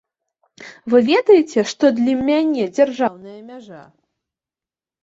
Вы ведаеце, што для мяне дзяржаўная мяжа.